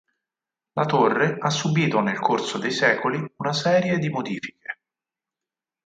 La torre ha subito nel corso dei secoli una serie di modifiche.